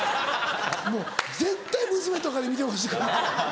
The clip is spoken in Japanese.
もう絶対娘とかに見てほしくない。